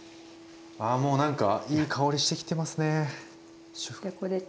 ああもう何かいい香りしてきてますね。